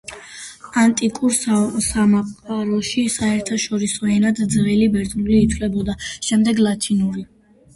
ანტიკურ სამყაროში საერთაშორისო ენად ძველი ბერძნული ითვლებოდა, შემდეგ ლათინური.